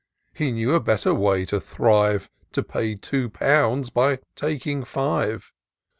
He knew a better way to thrive ; To pay two pounds by taking five.